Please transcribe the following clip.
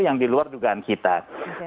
yang diluar dugaan kita oke